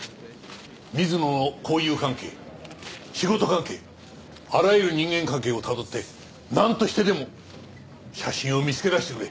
水野の交友関係仕事関係あらゆる人間関係をたどってなんとしてでも写真を見つけ出してくれ。